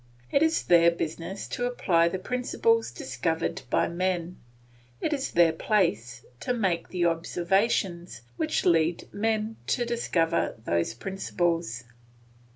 It is their business to apply the principles discovered by men, it is their place to make the observations which lead men to discover those principles.